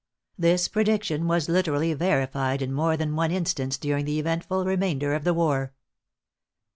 This prediction was literally verified in more than one instance during the eventful remainder of the war.